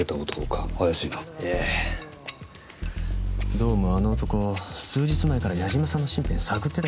どうもあの男数日前から八嶋さんの身辺探ってたようなんですよ。